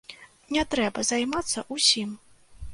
Не трэба займацца ўсім.